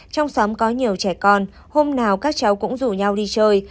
trong xóm có nhiều trẻ con hôm nào các cháu cũng rủ nhau đi chơi